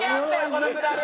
このくだり。